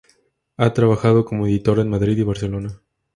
Ha trabajado como editora en Madrid y Barcelona.